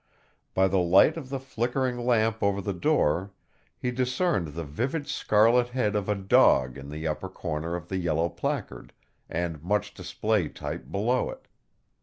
By the light of the flickering lamp over the door, he discerned the vivid scarlet head of a dog in the upper corner of the yellow placard, and much display type below it.